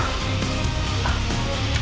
mas ini dia mas